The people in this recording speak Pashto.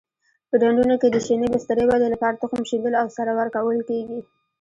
په ډنډونو کې د شینې بسترې ودې لپاره تخم شیندل او سره ورکول کېږي.